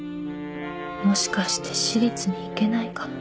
もしかして私立に行けないかも。